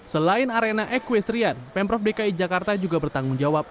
selain arena equestrian pemprov dki jakarta juga bertanggung jawab